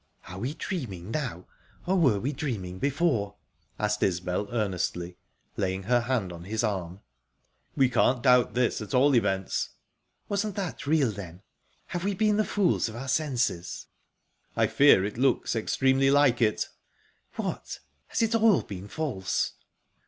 "Are we dreaming now, or were we dreaming before?" asked Isbel earnestly, laying her hand on his arm. "We can't doubt this, at all events." "Wasn't that real, then? Have we been the fools of our senses?" "I fear it looks extremely like it." "What, has it all been false?"